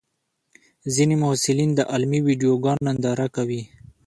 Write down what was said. ځینې محصلین د علمي ویډیوګانو ننداره کوي.